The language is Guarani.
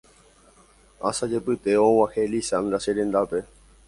Asajepytévo og̃uahẽ Lizandra cherendápe